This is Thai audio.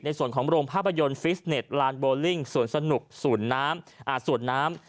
ในส่วนของโรงภาพยนตร์ฟิสเน็ตลานโบลิ่งศูนย์สนุกศูนย์น้ำ